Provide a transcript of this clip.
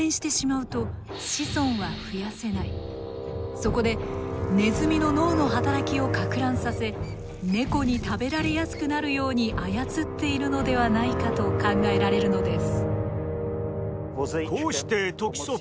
そこでネズミの脳の働きをかく乱させネコに食べられやすくなるように操っているのではないかと考えられるのです。